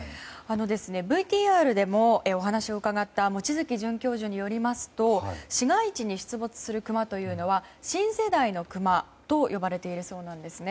ＶＴＲでもお話を伺った望月准教授によりますと市街地に出没するクマというのは新世代のクマと呼ばれているそうなんですね。